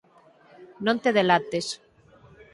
Non te delates.